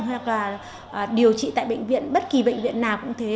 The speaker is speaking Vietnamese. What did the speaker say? hoặc là điều trị tại bệnh viện bất kỳ bệnh viện nào cũng thế